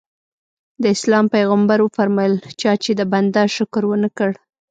د اسلام پیغمبر وفرمایل چا چې د بنده شکر ونه کړ.